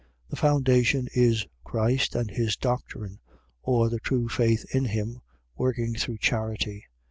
. .The foundation is Christ and his doctrine: or the true faith in him, working through charity.